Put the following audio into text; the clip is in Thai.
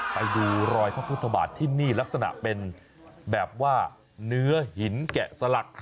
ไปดูรอยพระพุทธบาทที่นี่ลักษณะเป็นแบบว่าเนื้อหินแกะสลัก